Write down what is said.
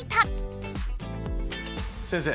先生。